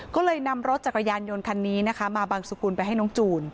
ก็เลยนำรถจักรยานยนต์คันนี้นะคะมาบังสุกุลไปให้น้องจูน